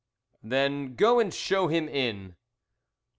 "Then go and show him in."